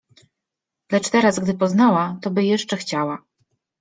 Lecz teraz gdy poznała, to by jeszcze chciała